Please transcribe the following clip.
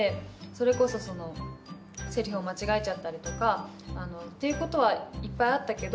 それこそセリフを間違えちゃったりとかっていうことはいっぱいあったけど。